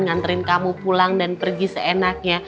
nganterin kamu pulang dan pergi seenaknya